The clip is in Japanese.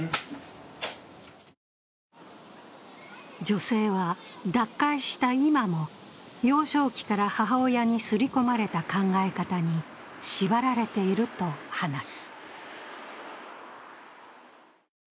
女性は、脱会した今も幼少期から母親にすり込まれた考え方に縛られていると話す。